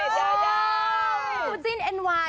คู่จิ้นวาย